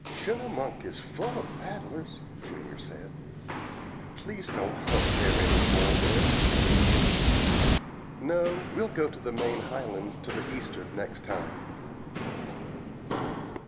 "Schunemunk is full of rattlers," Junior said. "Please don't hunt there any more then," I replied. "No, we'll go into the main Highlands to the east'ard next time."